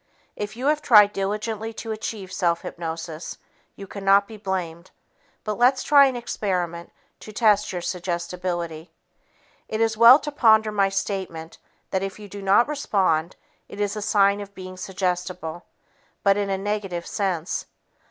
If you have tried diligently to achieve self hypnosis, you cannot be blamed, but let's try an experiment to test your suggestibility. It is well to ponder my statement that if you do not respond, it is a sign of being suggestible, but in a negative sense.